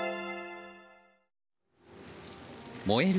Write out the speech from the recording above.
燃える